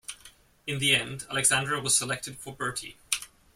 In the end, Alexandra was selected for Bertie.